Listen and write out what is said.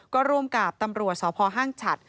ก็ร่วมกับตำรวจสพห้างฉัด